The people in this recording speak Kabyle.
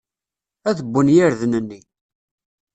Ad wwen yirden-nni.